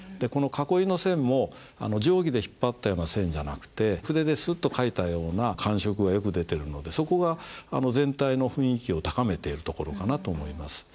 囲いの線も定規で引っ張ったような線じゃなくて筆でスッと書いたような感触がよく出てるのでそこが全体の雰囲気を高めているところかなと思います。